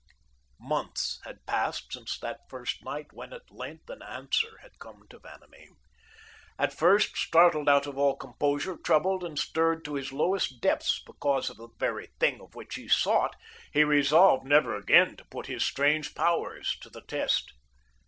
Months had passed since that first night when, at length, an Answer had come to Vanamee. At first, startled out of all composure, troubled and stirred to his lowest depths, because of the very thing for which he sought, he resolved never again to put his strange powers to the test.